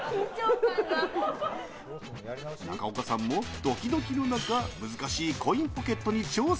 中岡さんもドキドキの中難しいコインポケットに挑戦。